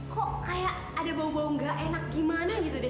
kok kayak ada bau bau gak enak gimana gitu deh